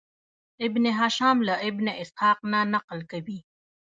ابن هشام له ابن اسحاق نه نقل کوي.